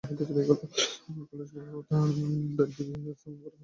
কৈলাস পর্বতে দেব-দেবী স্থাপন করা হলেও মূলত মণ্ডপের ভেতরে ছিল কাত্যায়নী প্রতিমা।